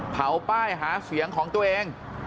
เผาป้ายหาเสียงของตัวเอง